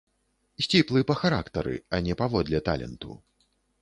Сціплы па характары, а не паводле таленту.